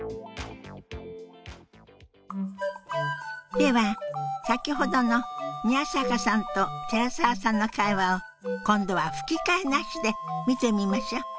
では先ほどの宮坂さんと寺澤さんの会話を今度は吹き替えなしで見てみましょう。